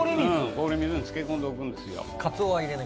氷水に漬け込んでおくんですよ。